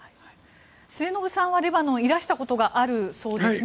末延さんはレバノンにいらしたことがあるそうですね。